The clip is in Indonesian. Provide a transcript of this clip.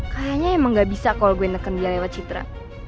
kayaknya emang gak bisa kalau gue neken dia lewat citra